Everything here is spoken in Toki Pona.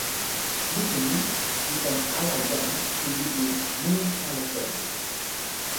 lipu ni li tan ala jan pi lipu “nimi ale pona”.